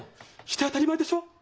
して当たり前でしょう？